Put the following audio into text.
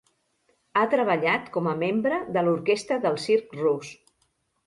Ha treballat com a membre de l'orquestra del circ rus.